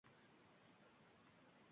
Oltinoy, ajoyib sheʼr yozibsiz